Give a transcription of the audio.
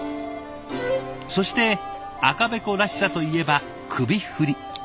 そして赤べこらしさといえば首振り。